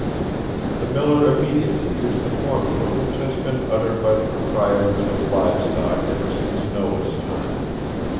The miller immediately used the formula which has been uttered by the proprietors of live stock ever since Noah's time.